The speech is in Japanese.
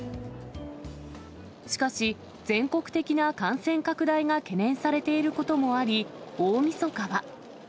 しかし、全国的な感染拡大が懸念されていることもあり、大みそかは。